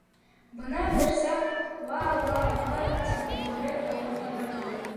Бына бер саҡ уа-уа-уа тип бүре олоп ебәрҙе.